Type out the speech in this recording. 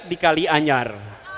di kali anyar